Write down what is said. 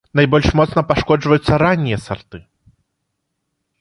Найбольш моцна пашкоджваюцца раннія сарты.